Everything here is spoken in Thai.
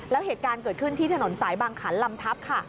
แล้วเหตุการณ์เกิดขึ้นที่ถนนสายบางขันลำทับค่ะ